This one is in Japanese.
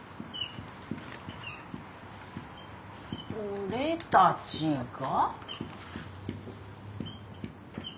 俺たちが？